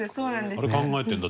あれ考えてるんだ？